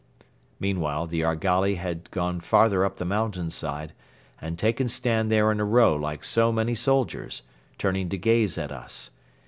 Meanwhile the argali had gone farther up the mountainside and taken stand there in a row like so many soldiers, turning to gaze at us.